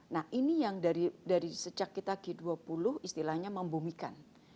nah ini yang dari sejak kita g dua puluh istilahnya membumikan